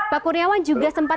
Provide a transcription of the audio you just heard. pak kurniawan juga